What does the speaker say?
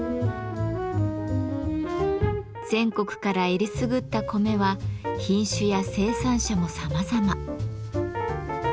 全国から選りすぐった米は品種や生産者もさまざま。